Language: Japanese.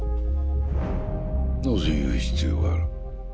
なぜ言う必要がある？